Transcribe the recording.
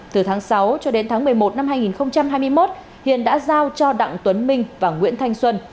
từ tháng sáu cho đến tháng một mươi một năm hai nghìn hai mươi một hiền đã giao cho đặng tuấn minh và nguyễn thanh xuân